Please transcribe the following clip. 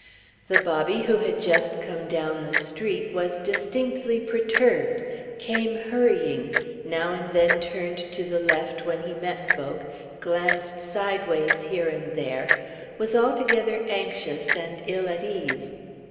The Bobby who had just come down the street was distinctly perturbed, came hurrying, now and then turned to the left when he met folk, glanced sidewise here and there, was altogether anxious and ill at ease.